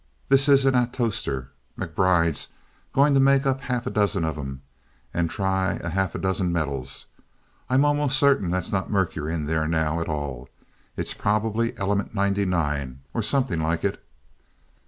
This ah this is an 'atostor.' MacBride's going to make up half a dozen of 'em, and try half a dozen metals. I'm almost certain that's not mercury in there now, at all. It's probably element 99 or something like it."